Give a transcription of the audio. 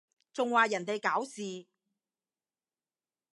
仲話人哋搞事？